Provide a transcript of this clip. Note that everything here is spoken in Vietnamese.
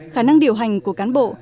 khả năng điều hành của cán bộ